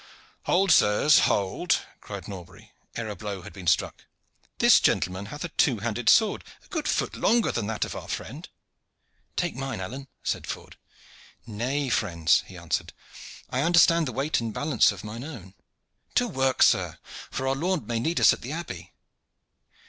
"Hold, sirs, hold!" cried Norbury, ere a blow had been struck. "This gentleman hath a two handed sword, a good foot longer than that of our friend." "Take mine, Alleyne," said Ford. "Nay, friends," he answered, "I understand the weight and balance of mine own. To work, sir, for our lord may need us at the abbey!"